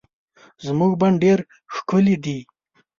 زمونږ بڼ ډير ښکلي دي